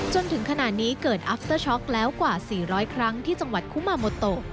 จนถึงขณะนี้เกิดอัฟเตอร์ช็อกแล้วกว่า๔๐๐ครั้งที่จังหวัดคุมาโมโต